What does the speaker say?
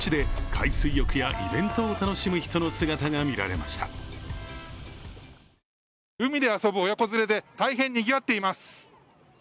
海で遊ぶ親子連れで大変にぎわっています。